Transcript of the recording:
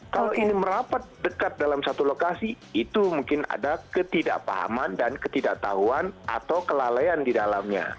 kalau ini merapat dekat dalam satu lokasi itu mungkin ada ketidakpahaman dan ketidaktahuan atau kelalaian di dalamnya